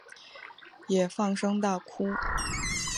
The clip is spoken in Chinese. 也放声大哭